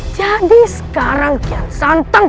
jadi sekarang kian santang